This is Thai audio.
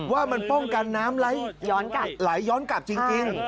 ว่ามันป้องกันน้ำไหลย้อนกลับจริง